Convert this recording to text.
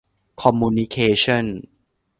คอมมูนิเคชั่น